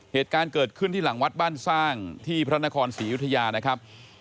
เหตุการณ์เกิดขึ้นที่หลังวัดบ้านสร้างที่พระนครศรีอยุธยานะครับ